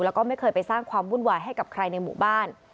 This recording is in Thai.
แล้วก็ไม่เคยไปสร้างความวุ่นวายให้กับใครในหมู่บ้าน